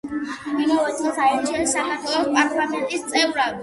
იმავე წელს აირჩიეს საქართველოს პარლამენტის წევრად.